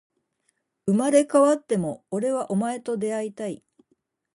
生まれ変わっても、俺はお前と出会いたい